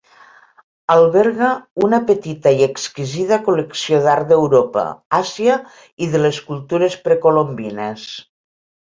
Alberga una petita i exquisida col·lecció d'art d'Europa, Àsia i de les cultures precolombines.